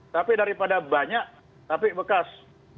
tapi daripada banyak tapi bekas